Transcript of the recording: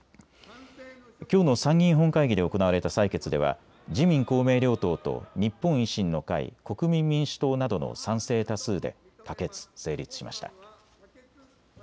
きょうの参議院本会議で行われた採決では自民公明両党と日本維新の会、国民民主党などの賛成多数で可決・成立しました。